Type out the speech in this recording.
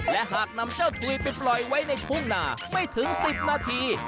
และหากนำเจ้าถุยไปปล่อยไว้ในทุ่งนาไม่ถึง๑๐นาที